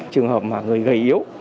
trường hợp mà người gây